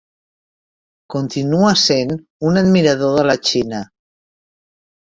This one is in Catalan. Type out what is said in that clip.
Continua sent un admirador de la Xina.